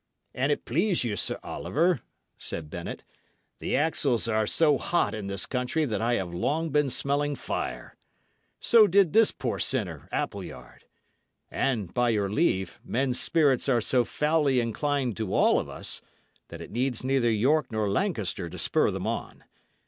"An't please you, Sir Oliver," said Bennet, "the axles are so hot in this country that I have long been smelling fire. So did this poor sinner, Appleyard. And, by your leave, men's spirits are so foully inclined to all of us, that it needs neither York nor Lancaster to spur them on.